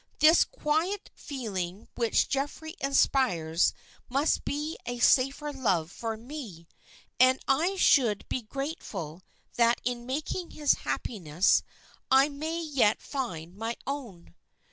This quiet feeling which Geoffrey inspires must be a safer love for me, and I should be grateful that in making his happiness I may yet find my own."